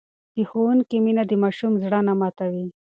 د ښوونکي مینه د ماشوم زړه نه ماتوي.